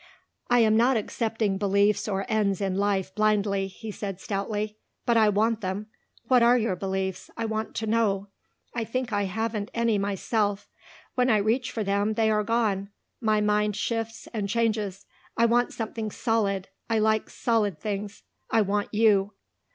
"I am not accepting beliefs or ends in life blindly," he said stoutly, "but I want them. What are your beliefs? I want to know. I think I haven't any myself. When I reach for them they are gone. My mind shifts and changes. I want something solid. I like solid things. I want you."